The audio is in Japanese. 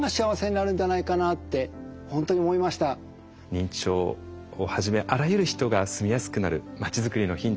認知症をはじめあらゆる人が住みやすくなる町づくりのヒント